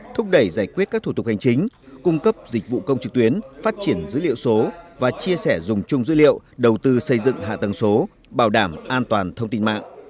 thúc đẩy giải quyết các thủ tục hành chính cung cấp dịch vụ công trực tuyến phát triển dữ liệu số và chia sẻ dùng chung dữ liệu đầu tư xây dựng hạ tầng số bảo đảm an toàn thông tin mạng